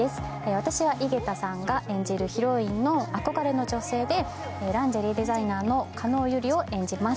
私は井桁さんが演じる女性の憧れの女性で、ランジェリーデザイナーの叶百合を演じます。